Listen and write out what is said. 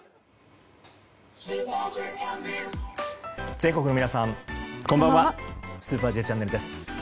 全国の皆さん、こんばんは「スーパーＪチャンネル」です。